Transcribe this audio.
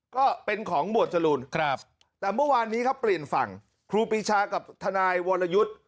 ก็เป็นของหมวดจรูนแต่เมื่อวานนี้เปลี่ยนฝั่งครูปีชากับธนายวลายุธ